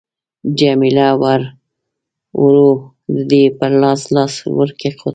جميله ورو د دې پر لاس لاس ورکښېښود.